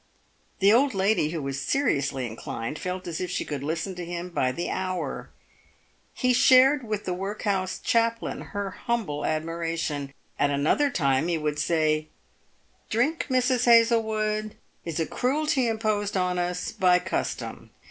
The old lady — who was seriously inclined — felt as if she could listen to him by the hour. He shared with the workhouse chaplain her humble admiration. At another time he would say, " Drink, Mrs. Hazlewood, is a cruelty imposed on us by custom.